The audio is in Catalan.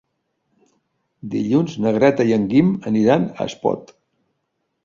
Dilluns na Greta i en Guim aniran a Espot.